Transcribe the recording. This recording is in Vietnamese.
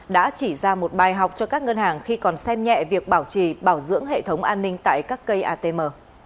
đã chỉ ra một bài học cho các ngân hàng khi còn xem nhẹ việc bảo trì bảo dưỡng hệ thống an ninh tại các cây atm